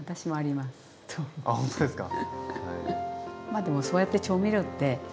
あほんとですか。